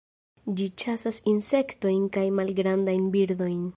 Ĝi ĉasas insektojn kaj malgrandajn birdojn.